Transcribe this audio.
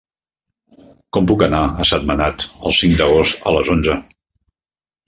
Com puc anar a Sentmenat el cinc d'agost a les onze?